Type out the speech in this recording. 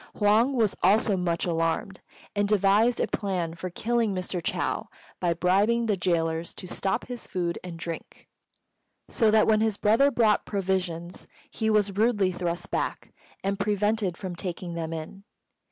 Huang was also much alarmed, and devised a plan for killing Mr. Chou by bribing the gaolers to stop his food and drink; so that when his brother brought provisions he was rudely thrust back and prevented from taking them in.